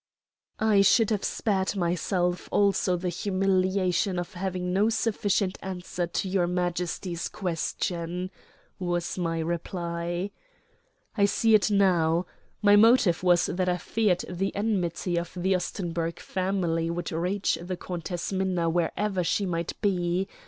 "I should have spared myself also the humiliation of having no sufficient answer to your Majesty's question," was my reply. "I see it now. My motive was that I feared the enmity of the Ostenburg family would reach the Countess Minna wherever she might be.